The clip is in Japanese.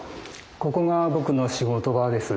ここが僕の仕事場です。